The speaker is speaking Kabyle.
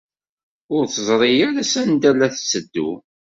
Ur teẓri ara sanda ay la tetteddu.